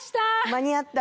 間に合った？